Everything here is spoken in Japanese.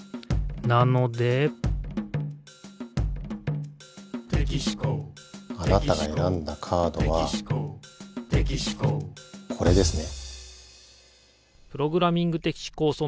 なのであなたがえらんだカードはこれですね。